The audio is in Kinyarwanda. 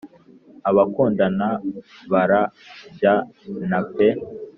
abakundana bara jyana pe